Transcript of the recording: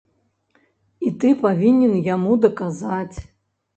І ты павінен яму даказаць!